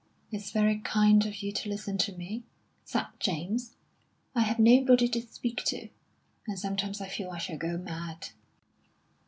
"It's very kind of you to listen to me," said James. "I have nobody to speak to, and sometimes I feel I shall go mad."